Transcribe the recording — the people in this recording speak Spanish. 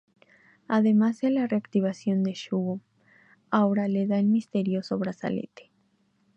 Además de la reactivación de Shugo, Aura le da el misterioso brazalete.